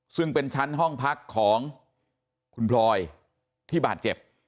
ซึ่งเป็นชั้นห้องพักของคุณพลอยที่บาดเจ็บ